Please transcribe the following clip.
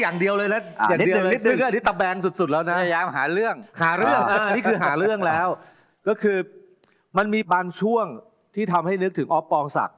นี่คือหาเรื่องแล้วก็คือมันมีบางช่วงที่ทำให้นึกถึงอ๊อฟปองศักดิ์